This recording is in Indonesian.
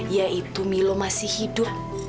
yaitu milo masih hidup